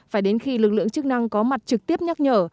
phải đến khi lực lượng chức năng có mặt trực tiếp nhắc nhở